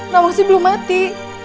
namun masih belum mati